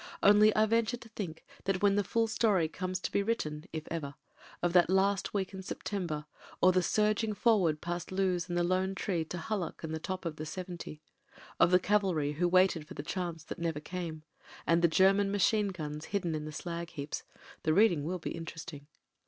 Only I venture to think that when the full story comes to be written — if ever— of that last week in September, or the surging forward past Loos and the Lone Tree to HuUuch and the top of 70, of the cavalry who waited for the chance that never came, and the German machine guns hidden in the slag heaps, the reading will be interesting.